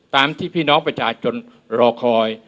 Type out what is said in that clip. ตามที่พี่น้องประชาชนรอคอย